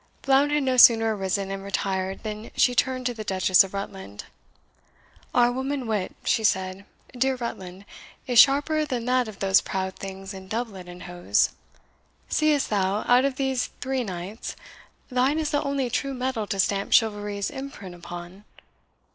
Blount had no sooner arisen and retired than she turned to the Duchess of Rutland. "Our woman wit," she said, "dear Rutland, is sharper than that of those proud things in doublet and hose. Seest thou, out of these three knights, thine is the only true metal to stamp chivalry's imprint upon?"